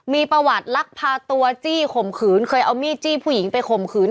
มีประวัติลักพาตัวจี้ข่มขืนเคยเอามีดจี้ผู้หญิงไปข่มขืน